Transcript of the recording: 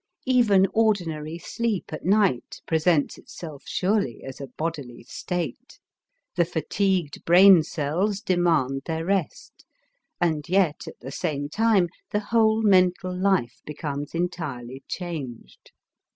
Even ordinary sleep at night presents itself surely as a bodily state the fatigued brain cells demand their rest, and yet at the same time the whole mental life becomes entirely changed.